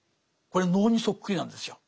これ能にそっくりなんですよ。